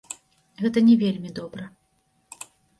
Гэта не вельмі добра.